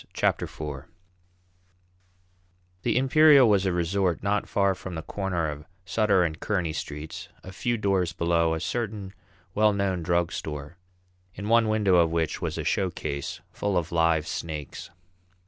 Chapter Four The Imperial was a resort not far from the corner of Sutter and Kearney streets, a few doors below a certain well known drug store, in one window of which was a showcase full of live snakes.